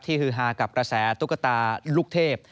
ฮือฮากับกระแสตุ๊กตาลูกเทพ